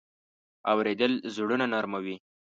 اورېدل زړونه نرمه وي.